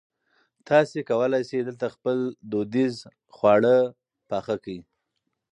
تاسي کولای شئ دلته خپل دودیز خواړه پخ کړي.